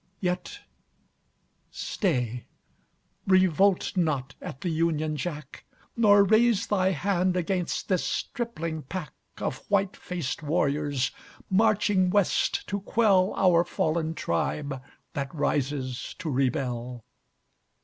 Yet stay. Revolt not at the Union Jack, Nor raise Thy hand against this stripling pack Of white faced warriors, marching West to quell Our fallen tribe that rises to rebel.